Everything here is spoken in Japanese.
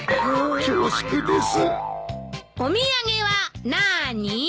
恐縮です。